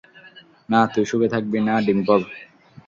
না তুই সুখে থাকবি, না ডিম্পল!